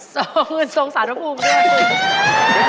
ทรงภูมิทรงสารภูมิด้วย